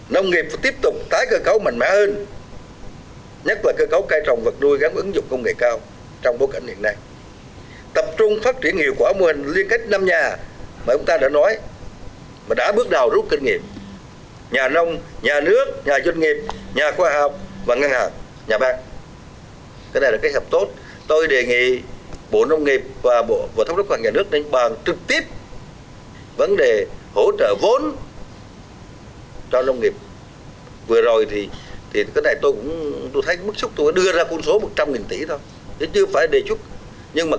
nông nghiệp tiếp tục tái cơ cáo mạnh mẽ hơn nhắc vào cơ cáo cây trồng vật nuôi gắn ứng dụng công nghệ cao trong bối cảnh hiện nay